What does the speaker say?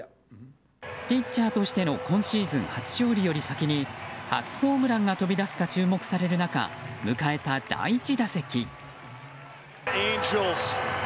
ピッチャーとしての今シーズン初勝利より先に初ホームランが飛び出すか注目される中迎えた第１打席。